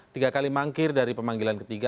tiga kali mangkir dari pemanggilan ketiga